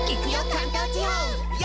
関東地方！」